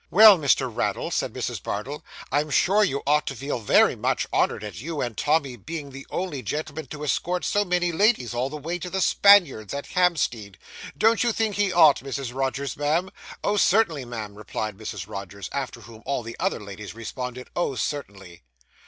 'Well, Mr. Raddle,' said Mrs. Bardell; 'I'm sure you ought to feel very much honoured at you and Tommy being the only gentlemen to escort so many ladies all the way to the Spaniards, at Hampstead. Don't you think he ought, Mrs. Rogers, ma'am?' Oh, certainly, ma'am,' replied Mrs. Rogers; after whom all the other ladies responded, 'Oh, certainly.